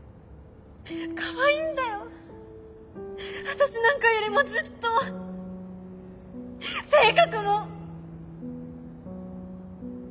私なんかよりもずっと性格も！